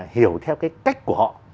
hiểu theo cái cách của họ